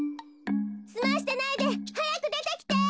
すましてないではやくでてきて！